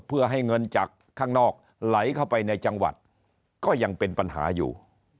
เพื่อให้เงินจากข้างนอกไหลเข้าไปในจังหวัดก็ยังเป็นปัญหาอยู่